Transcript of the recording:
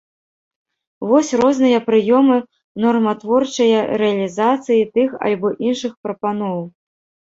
Вось розныя прыёмы норматворчыя рэалізацыі тых альбо іншых прапаноў.